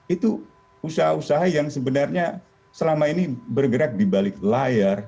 itu usaha usaha yang sebenarnya selama ini bergerak di balik layar